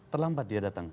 terlambat dia datang